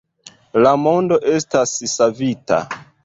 - La mondo estas savita